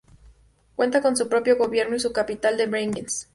Cuenta con su propio gobierno y su capital es Bregenz.